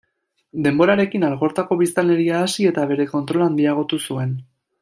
Denborarekin Algortako biztanleria hasi eta bere kontrola handiagotu zuen.